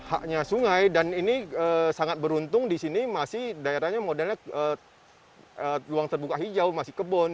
haknya sungai dan ini sangat beruntung di sini masih daerahnya modelnya ruang terbuka hijau masih kebun